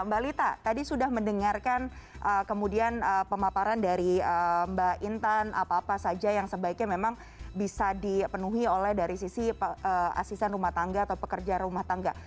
mbak lita tadi sudah mendengarkan kemudian pemaparan dari mbak intan apa apa saja yang sebaiknya memang bisa dipenuhi oleh dari sisi asisten rumah tangga atau pekerja rumah tangga